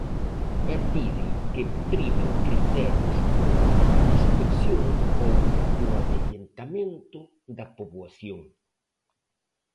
E pide que primen criterios como a dispersión ou o avellentamento da poboación.